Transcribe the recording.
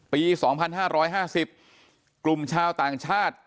ปี๒๕๕๐กลุ่มชาวต่างชาติ